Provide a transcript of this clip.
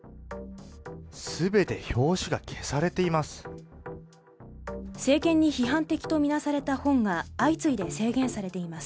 全て表紙が消されています。